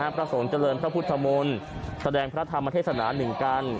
พระสงฆ์เจริญพระพุทธมนต์แสดงพระธรรมเทศนาหนึ่งกัน